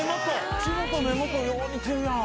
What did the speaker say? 口元目元よう似てるやん。